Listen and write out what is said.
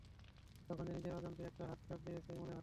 কখন যেন নিজের অজান্তেই একটা হাত সঁপে দিয়েছে ইমনের হাতের মুঠোয়।